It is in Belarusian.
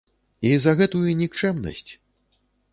І за гэтую нікчэмнасць?